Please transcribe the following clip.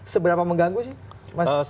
seberapa mengganggu sih mas